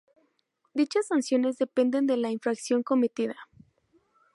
Dichas sanciones dependen de la infracción cometida.